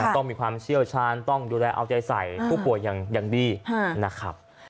ต้องมีความเชี่ยวชาญต้องดูแลเอาใจใส่ผู้ป่วยอย่างดีนะครับ